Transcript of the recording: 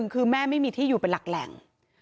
คือแม่ไม่มีที่อยู่เป็นหลักแหล่ง